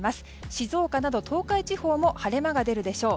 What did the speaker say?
静岡など東海地方も晴れ間が出るでしょう。